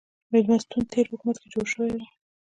مېلمستون تېر حکومت کې جوړ شوی و.